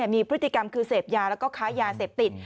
มีพฤติกรรมคือเสพยาแล้วก็ค้ายาเสพติด